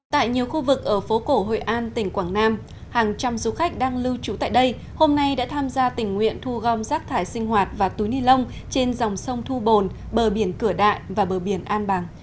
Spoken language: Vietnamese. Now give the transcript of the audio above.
tại nhiều khu vực ở phố cổ hội an tỉnh quảng nam hàng trăm du khách đang lưu trú tại đây hôm nay đã tham gia tình nguyện thu gom rác thải sinh hoạt và túi ni lông trên dòng sông thu bồn bờ biển cửa đại và bờ biển an bàng